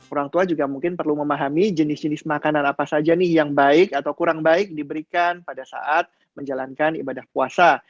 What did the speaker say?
orang tua juga mungkin perlu memahami jenis jenis makanan apa saja nih yang baik atau kurang baik diberikan pada saat menjalankan ibadah puasa